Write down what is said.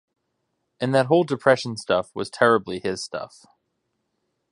And that whole Depression stuff was terribly his stuff.